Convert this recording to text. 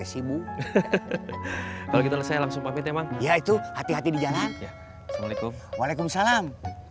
sibuk kalau gitu saya langsung mampir emang yaitu hati hati di jalan assalamualaikum waalaikumsalam